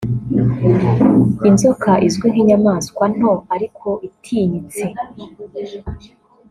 Inzoka izwi nk’inyamaswa nto ariko itinyitse